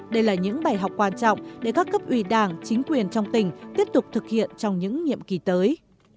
đây là những bài học quan trọng để các cấp ủy đảng chính quyền trong tỉnh tiếp tục thực hiện trong những nhiệm kỳ tới